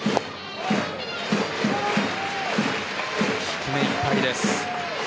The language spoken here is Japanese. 低めいっぱいです。